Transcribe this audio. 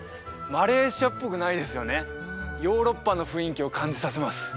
マレーシアっぽくないですよねヨーロッパの雰囲気を感じさせます